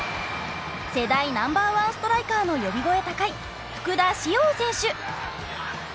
世代ナンバーワンストライカーの呼び声高い福田師王選手。